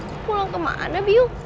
pulang kemana biung